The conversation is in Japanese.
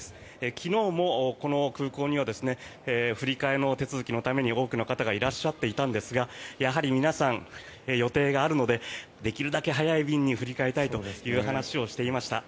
昨日もこの空港には振り替えの手続きのために多くの方がいらっしゃっていたんですがやはり皆さん、予定があるのでできるだけ早い便に振り替えたいという話をしていました。